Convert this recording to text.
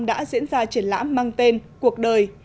đã diễn ra triển lãm mang tên cuộc đời